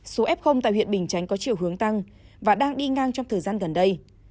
số f tại huyện bình chánh có chiều hướng tăng và đang đi ngang trong thời gian gần đây